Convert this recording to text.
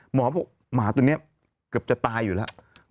หมอบอกหมาตัวนี้เกือบจะตายอยู่แล้ว